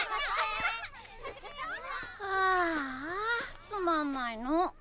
ああつまんないの。